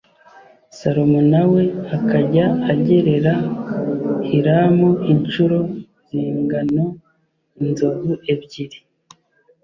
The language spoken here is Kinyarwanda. Salomo na we akajya agerera Hiramu incuro z’ingano inzovu ebyiri